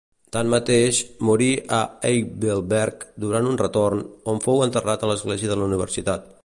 Tanmateix, morí a Heidelberg durant un retorn, on fou enterrat a l'església de la universitat.